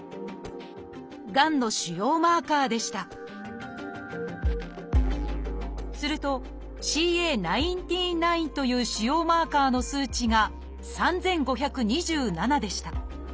がんの腫瘍マーカーでしたすると「ＣＡ１９−９」という腫瘍マーカーの数値が３，５２７でした。